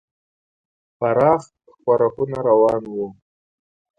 پراخ ښورښونه روان وو.